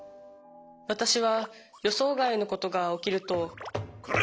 私は予想外のことが起きるとコラ！